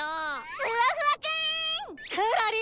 ふわふわくん！